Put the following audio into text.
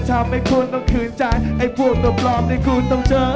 ทำให้คุณต้องคืนใจไอ้พวกตัวปลอมที่คุณต้องเจอ